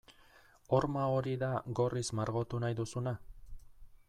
Horma hori da gorriz margotu nahi duzuna?